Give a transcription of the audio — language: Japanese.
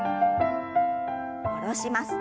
下ろします。